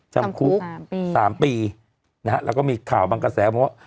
จำคุก๓ปีนะฮะแล้วก็มีข่าวบางกระแสบอกว่า